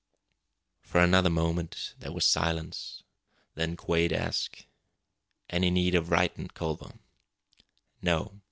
For another moment there was silence. Then Quade asked: "Any need of writin', Culver?" "No.